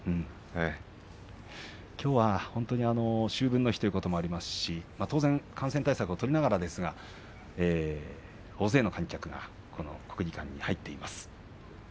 きょうは秋分の日ということもありますし当然、感染対策を取りながらですけれども、大勢の観客が国技館に入っています。